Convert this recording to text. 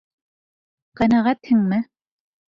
Ҡәнәғәтһеңме?